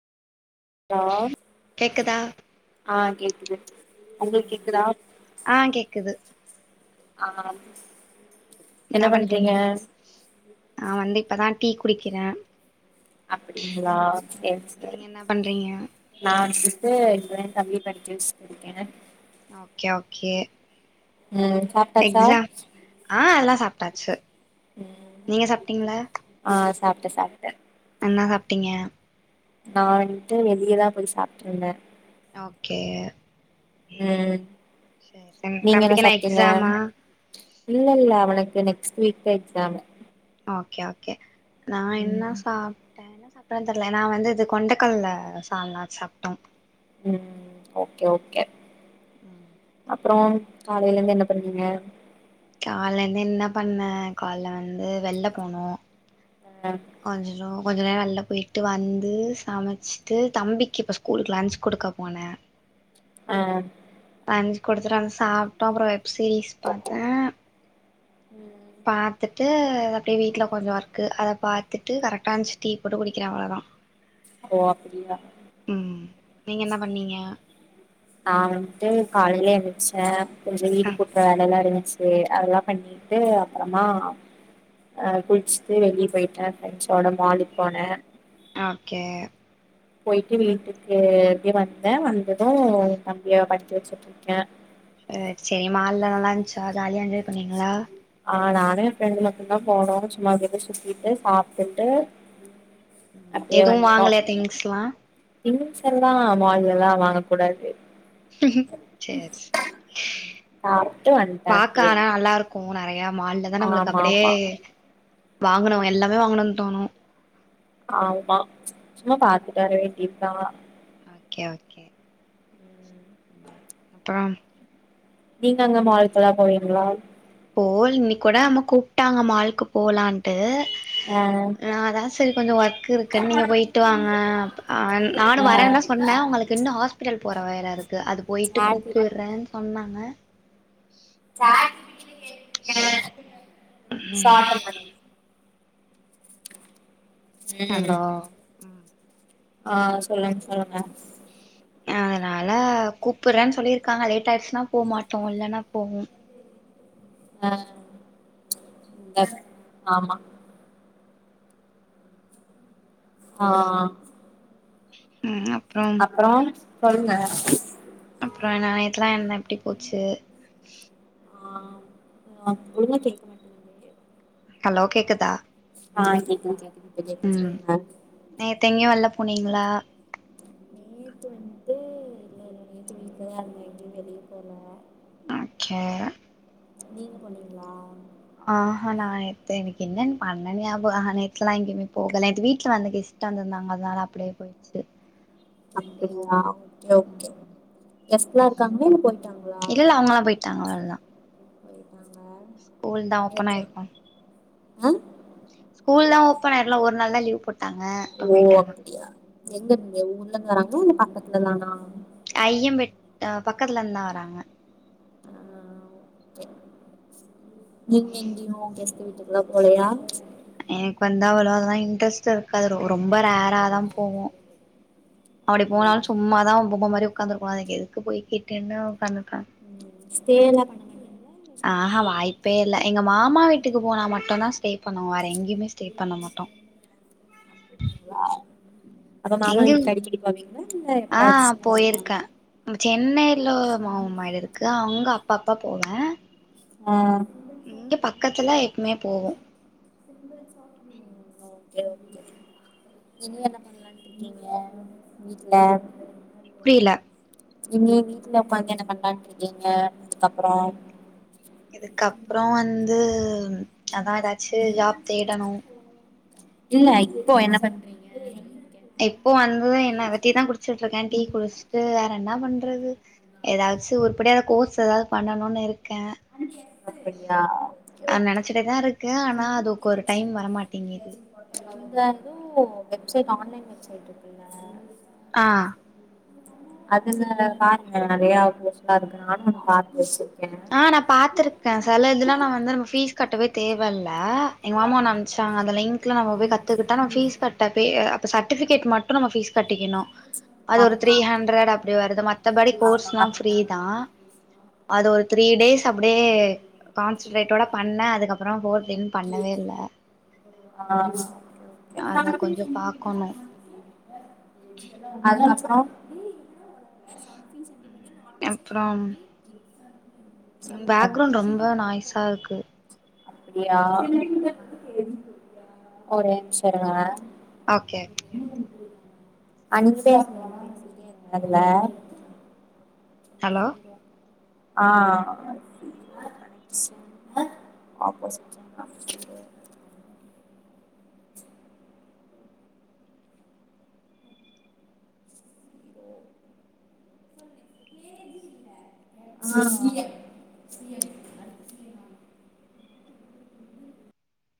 Hello கேக்குதா ஆ கேக்குது உங்களுக்கு கேக்குதா ஆ கேக்குது அஹம் என்ன பண்ணறீங்க ஆ வந்து இப்பதான் டீ குடிக்கிறேன் அப்டிங்களா செரி செரி என்ன பண்றீங்க நான் வந்துட்டு என் தம்பி படிச்ச ஸ்கூல் இருக்கேன் ஓக்கே ஓக்கே ம் சாப்ட்டாச்சா எக்ஸாம் ஆ எல்லாம் சாப் டச்சு நீங்க சாப்பிட்டிங்களா சாப்டேன் சாப்டேன் என்னா சாப்டிங்க நான் வன்ட்டு வெளியேதான் போய் சாப்ட்டு இருந்தேன் ஓக்கே உம் சேரி நீங்க என்ன தம்பிக்கு சாப்டீங்க எக்ஸாமா இல்ல இல்ல அவனுக்கு இன்ன நெக்ஸ்ட் வீக்தா எக்ஸாமு ஓகே ஓகே நா என்ன ம் சாப்ட்டேனா அப்புறம் தெர்ல நா வந்து இது கொண்டக்கடல சால்னா சாப்ட்டோ உம் ஓகே ஓகே உம் அப்றோ காலைல இருந்து என்ன பண்ணீங்க காலல இருந்து என்ன பண்ணே கால்ல வந்து வெள்ள போனோ ஆ [unintelligible] கொஞ்ச நேரோ வெள்ள போயிட்டு வந்து சமைச்சிட்டு தம்பிக்கு இப்ப ஸ்கூலுக்கு லன்ச் குடுக்க போனே ஆ லஞ்சு குடுத்துட்டு வந்த சாப்ட்டோ அப்றோ வெப் சீரீஸ் பாத்தே உம் பாத்துட்டு அப்டியே வீட்ல கொஞ்சோ ஒர்க்கு அத பாத்துட்டு கரெக்டா இருந்துச்சு டீ போட்டு குடிக்கிறே அவ்ளவுதா ஓ அப்டியா உம் நீங்க என்ன பண்ணீங்க நா வன்ட்டு காலைல எந்திரிச்சே கொஞ்ச வீடு அ கூட்ற வேல எல்லா இருந்துச் சு அதெல்லா பண்ணிட்டு அப்புறமா அஹ் குளிச்சுட்டு வெளியே போயிட்டே ப்ரெண்ட்ஸோட மாலுக்கு போனே ஓகே போயிட்டு வீட்டுக்கு எப்பயோ வந்தே வந்தது தம்பிய படிக்க வச்சுட்டுருக்கே ஆ செரி மால்லா நல்லா இருந்துச்சா ஜாலியா என்ஜாய் பண்ணீங்களா ஆஹ் நானு என் ஃப்ரெண்டு மட்டும்தா போனோ சும்மா அங்க இங்க சுத்திட்டு சாப்ட்டுட்டு அப்டியே எதுவு வந்ட்டோ வாங்கலையா திங்க்ஸ்லா திங்ஸ் எல்லா மால்லல்லா வாங்கக் கூடாது சேர் சே சாப்ட்டு வந்ட்டே பாக்க அப்டியே ஆனா நல்லா இருக்கு மு நெறையா மால்லதா நம்மளுக்கு ஆமா அப்படியே ஆமா வாங்கணு எல்லாமே வாங்கணுன்னு தோணு ஆமா சும்மா பாத்துட்டு வரே இதா ஓகே ஓகே ம் அப்றோம் நீங்க அங்க மாலுக்கல்லா போவீங்களா போல் இன்னக்கி கூட அம்மா கூப்ட்டாங்க மாலுக்கு போலான்ட்டு ஆ ஆஹ் அதா சரி கொஞ்ச ஒர்க் இருக்குன்னு நீங்க போயிட்டு வாங்க ஆ நானு ஆ வரேன்னுதா சொன்னே அவுங்களுக்கு இன்னு ஹாஸ்பிட்டல் போற வேலை இருக்கு அது போயிட்டு சாட் ஜி கூப்புடுறேன்னு சொன்னா ஆ உஹ் சாட்ட மணி ஹலோ உம் ஆஹ் சொல்லுங்க சொல்லுங்க அதனால கூப்பிடுறேன்னு சொல்லியிருக்காங்க லேட் ஆயிடுச்சுன்னா போக மாட்டோம் இல்லன்னா போவோம் ஆஹ் ஆமா ஆஹ் அப்புறம் சொல்லுங்க அப்புறம் என்ன நேத்துலாம் என்ன எப்படி போச்சு ஆஹ் ஒழுங்கா கேட்க மாட்டேது ஹலோ கேக்குதா ஆஹ் கேக்கு உம் ந் நேத்து எங்கும் வெளில போனிங்களா வீட்ல வீட்ல தான்இருந்தேன் எங்க வெளிய போல ஓகே நீங்க பண்ணீங்களா ஆஹஹா நான் நேத்து எனக்கு என்னன்னு பண்ணே ஆஹ நேத்துல்லாம் எங்கேயுமே போகல நேத்து வீட்டுல வந்து கெஸ்ட் வந்திருந்தாங்க அதனால அப்படியே போயிடுச்சு ஃபுல் டேவு அப்படியா ஓகே ஓகே கெஸ்ட்லாம் இருக்காங்களா இல்ல போய் இல்ல அவுங்கல்லாம் போயிட்டாங்க அவ்ளோதான் ஓ ஸ்கூல் தான் ஓப்பன் ஆயிருக்கும் ஆ ஸ்கூல் தான் ஓப்பன் ஆயிடும்ல ஒரு நாள் தான் லீவ் போட் ஓ அப்படியா எங்க ம். நீங்க ஊ ர்ல இருந்து வராங்களா இல்ல பக்கத்துல தானா ஐயம்பேட்ட பக்கத்துல இருந்து தான் வராங்க ஆஹ ஓகே நீங்க எங்கையும் கெஸ்ட் வீட்டுக்குல்லாம் போலையா எனக்கு வந்தா அவ்வளோ அதெல்லாம் இன்ட்ரெஸ்ட் இருக்காது ரொம்ப ரேராாதான் போவோம் அப்படி அப்டியா போனாலும் சும்மாதான் பொம்ம மாதிரி உட்கந்துருக்கனும் அதுக்க எதுக்கு போய்கிட்னு உட்காந்துபேன் ஸ்டே எல்லாம் பண்ணமாட்டீக ஆஹஹா வாய்ப்பே இல்லை எங்கள் மாமா வீட்டுக்கு போனால் மட்டும் தான் ஸ்டே பண்ணுவோம் வேற எங்க யுமே ஸ்டே பண்ண மாட்டோம் அப்ப மாமா வீட்டுக்கு அடிக்கடி போவீங்க ஆஹ போயிருக்கேன் சென்னை இல மாமா வீடு இருக்கு அவுங்க அப்ப அப்ப போவேன் ஆஹ இங்க பக்கத்துல எப்பவுமே போவோம் ஓகே இன்னும் என்ன பண்ணலான்ட்டு இருக்கீங்க வீட்ல புரியலா நீங்க வீட்ல உக்காந்து என்ன பண்ணலாம்னு இருக்கீங்க அதுக்கப்புறம் இதுக்கப்புறம் வந்து அதான் ஏதாச்சும் ஜாப் தேடணும் இல்ல இப்போ என்ன பண்றீங்க இப்போ வந்து என்ன வெட்டியா தான் குடிச்சிட்டு இருக்கேன் டீ குடிச்சுட்டு என்ன பண்றது ஏதாச்சும் உருப்படியா கோர்ஸ் ஏதாது பண்ணணும்னு இருக்கு இக்க [unintelligible] ஓகே இருக்கே ஆனா அதுக்கு ஒரு டைம் வரமாட்டேங்குது ஓகே இருந்தாலும் வெப்சைட் ஆன்லைன் சைட்டுக்குங்கள ஆஹ் அதுல பாருங்க நெறைய யூஸ்ஃபுல்லா இருக்கு நானும் பாத்தாச்சு என்ன நான் பாத்திருக்கேன் சில இதுலலாம் வந்து பீஸ் கட்டவே தேவை இல் ஆஹ எங்க மாமா ஒன்னு ஆமா அனுப்பிச்சாங்க அந்த லிங்க்ல நம்ம போய் கத்துக்கிட்டா பீஸ் கட்டவே வே சர்டிபிகேட்டு மட்டும் பீஸ் கட்டிக்கணும் அது ஒரு ஆமா த்ரீ ஆமா ஹண்ட்ரட் அப்படி வருது மத்தபடி கோர்ஸ் ஆமா எல்லா ஃப்ரீ கம்மிதா தான் அது ஒரு த்ரீ டேஸ் அப்டியே கான்சன்ட்ரேட்டோ பண்ணுனேன் அதுக்கப்புறம் ஃபோர்த் இயர் பண்ணவே இல்ல ஆஹ் ஓகே அத ஒகே கொஞ்சோ பாக்கணு அதுக்கப்புறம் [unintelligible] அப்புறம் சொல்லுங்க பேக்ரௌண்ட் ரொம்ப நாய்ஸா இருக்கு அப்டியா ஆஹ ஒரே நிமிஷம் இருங்க ஓகே [unintelligible] அதுல ஹலோ ஆஹ் ஆஹ